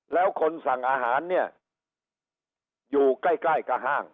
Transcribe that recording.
แล้วคนสั่งอาหารเนี่ยอยู่ใกล้กับห้าง